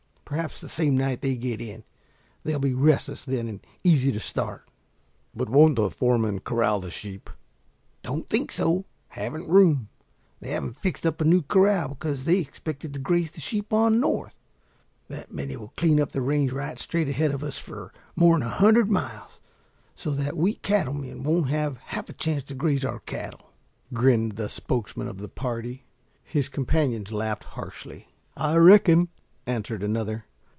Perhaps the same night they get in. They'll be restless then and easy to start." "But won't the foreman corral the sheep?" "Don't think so. Haven't room. They haven't fixed up a new corral, because they expected to graze the sheep on north. That many will clean up the range right straight ahead of us for more'n a hundred miles, so that we cattle men won't have half a chance to graze our cattle," grinned the spokesman of the party. His companions laughed harshly. "I reckon," answered another.